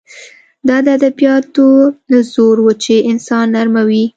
دا د ادبیاتو زور و چې انسان نرموي